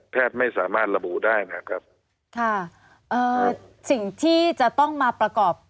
ไม่สามารถระบุได้นะครับค่ะเอ่อสิ่งที่จะต้องมาประกอบ